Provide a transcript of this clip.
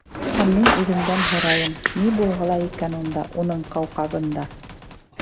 Һәм мин үҙемдән һорайым: ни булғылай икән унда, уның ҡауҡабында?